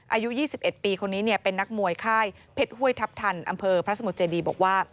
อายุ๒๑ปีคนนี้เป็นนักมวยค่ายเพชรห้วยทัพทันอำเภอพระสมุทรเจดีบอกว่า